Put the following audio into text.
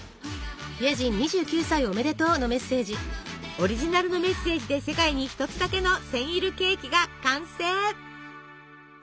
オリジナルのメッセージで世界に一つだけのセンイルケーキが完成！